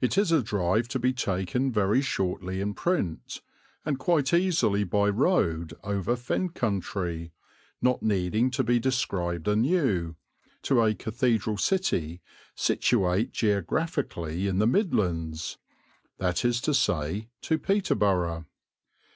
It is a drive to be taken very shortly in print, and quite easily by road over Fen country, not needing to be described anew, to a cathedral city situate geographically in the Midlands that is to say, to Peterborough.